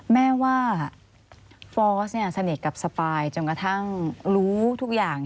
แม่ว่าฟอร์สสนิทกับสปายจนกระทั่งรู้ทุกอย่าง